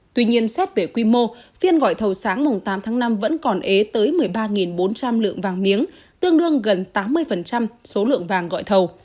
tuy nhiên xét về quy mô phiên gọi thầu sáng tám tháng năm vẫn còn ế tới một mươi ba bốn trăm linh lượng vàng miếng tương đương gần tám mươi số lượng vàng gọi thầu